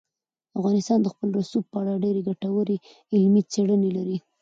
افغانستان د خپل رسوب په اړه ډېرې ګټورې علمي څېړنې لري.